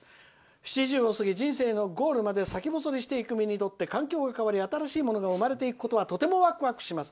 ７０を過ぎ人生のゴールする道のりで環境が変わり新しいものが生まれていくことはとてもワクワクします。